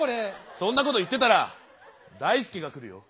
そんなこと言ってたらだいすけが来るよ。